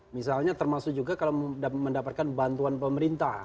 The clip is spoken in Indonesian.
misalnya termasuk juga kalau mendapatkan bantuan pemerintah